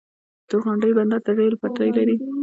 تورغونډۍ بندر د ریل پټلۍ لري؟